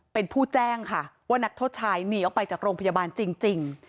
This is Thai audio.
เป็นผู้แจ้งค่ะว่านักโทษชายหนีออกไปจากโรงพยาบาลจริง